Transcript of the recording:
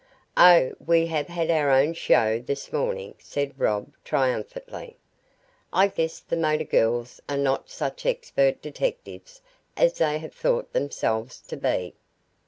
"Oh, we have had our own show this morning," said Rob triumphantly. "I guess the motor girls are not such expert detectives as they have thought themselves to be."